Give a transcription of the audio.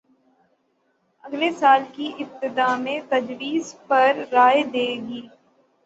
اگلے سال کی ابتدا میں تجویز پر رائے دے گی